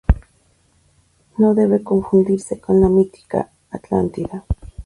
No debe confundirse con la mítica Atlántida.